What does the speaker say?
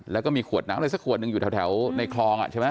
แล้วก็มีขวดน้ำอะไรสักขวดหนึ่งอยู่แถวในคลองใช่ไหม